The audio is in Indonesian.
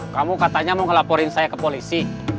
kamu katanya mau ngelaporin saya ke polisi